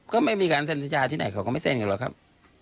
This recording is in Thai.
ก็ไม่มีการเซ็นสัญญาที่ไหนเขาก็ไม่เซ็นกันหรอกครับ